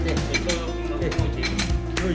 はい。